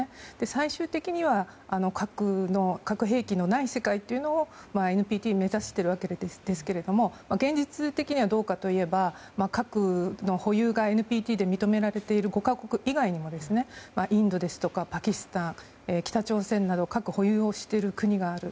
最終的には核兵器のない世界というのをＮＰＴで目指しているわけですが現実的にはどうかといえば核の保有がＮＰＴで認められている５か国以外でもインドですとかパキスタン、北朝鮮など核保有している国がある。